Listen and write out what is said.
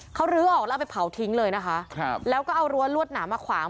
เขาลื้อออกแล้วเอาไปเผาทิ้งเลยนะคะครับแล้วก็เอารั้วลวดหนามาขวาง